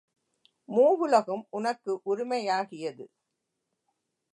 மூவுலகும் உனக்கு உரிமையாகியது.